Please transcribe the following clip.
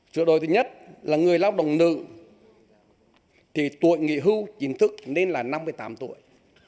sửa đổi thứ nhất là người lao động nữ thì tuổi nghỉ hưu chính thức nên là năm mươi tám tuổi